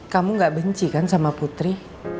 kamu gak benci kan sama putri